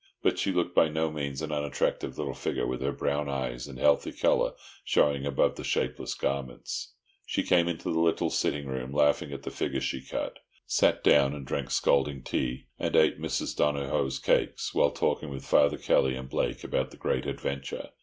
But she looked by no means an unattractive little figure, with her brown eyes and healthy colour showing above the shapeless garments. She came into the little sitting room laughing at the figure she cut, sat down, and drank scalding tea, and ate Mrs. Donohoe's cakes, while talking with Father Kelly and Blake over the great adventure.